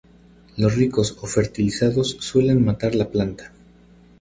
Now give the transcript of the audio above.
Los ricos o fertilizados suelen matar la planta.